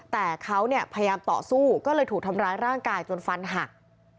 แต่เขาเนี่ยพยายามต่อสู้ก็เลยถูกทำร้ายร่างกายจนฟันหัก